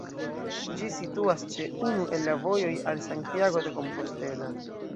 Ĝi situas ĉe unu el la vojoj al Santiago de Compostela.